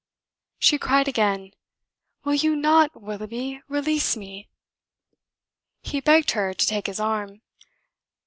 She cried again: "Will you not, Willoughby release me?" He begged her to take his arm.